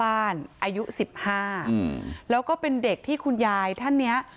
อายุ๑๕แล้วก็เป็นเด็กที่คุณยายท่านเนี้ย